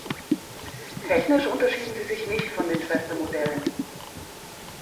Technisch unterschieden sie sich nicht von den Schwestermodellen.